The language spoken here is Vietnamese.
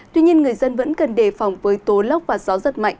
tuy nhiên người dân vẫn cần đề phòng với tố lốc và gió giật mạnh